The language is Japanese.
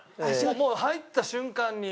もう入った瞬間に。